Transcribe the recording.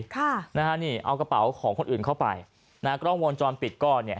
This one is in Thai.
ค่ะนะฮะนี่เอากระเป๋าของคนอื่นเข้าไปนะฮะกล้องวงจรปิดก็เนี่ย